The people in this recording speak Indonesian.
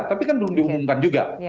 tapi kan belum diumumkan juga